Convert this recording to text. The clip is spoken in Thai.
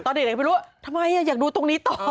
เด็กไม่รู้ว่าทำไมอยากดูตรงนี้ต่อ